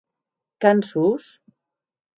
Cançons!